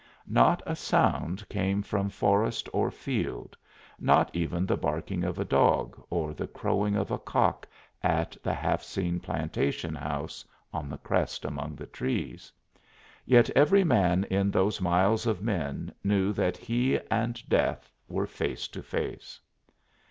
Not a sound came from forest or field not even the barking of a dog or the crowing of a cock at the half seen plantation house on the crest among the trees. Yet every man in those miles of men knew that he and death were face to face.